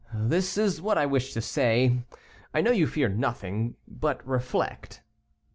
This is what I wished to say; I know you fear nothing, but reflect."